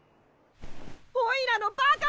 おいらのバカ！